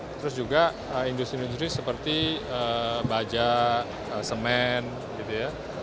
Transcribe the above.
terus juga industri industri seperti baja semen gitu ya